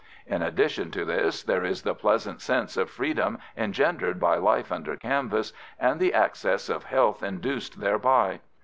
In addition to this there is the pleasant sense of freedom engendered by life under canvas, and the access of health induced thereby.